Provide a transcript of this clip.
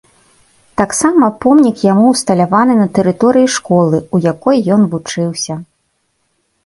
Таксама помнік яму ўсталяваны на тэрыторыі школы, у якой ён вучыўся.